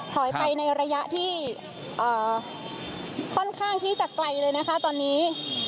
ถอยไปในระยะที่ค่อนข้างที่จะไกลเลยนะคะตอนนี้